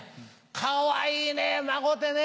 かわいいね孫ってね。